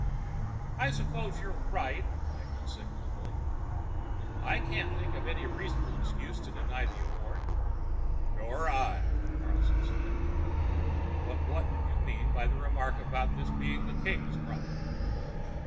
"I suppose you're right," Eklund said gloomily. "I can't think of any reasonable excuse to deny the award." "Nor I," Carlstrom said. "But what did you mean by that remark about this being the king's problem?"